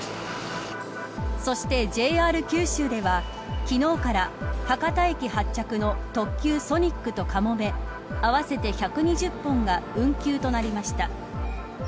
そして、ＪＲ九州では昨日から博多駅発着の特急ソニックとかもめ合わせて１２０本が運休となりました。